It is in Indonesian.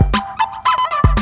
kau mau kemana